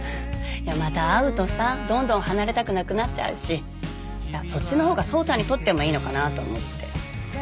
また会うとさどんどん離れたくなくなっちゃうしそっちのほうが宗ちゃんにとってもいいのかなと思って。